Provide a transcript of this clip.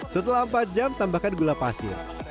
setelah empat jam tambahkan gula pasir